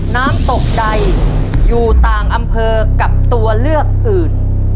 น้ำตกใดอยู่ต่างอำเภอกับตัวเลือกอื่น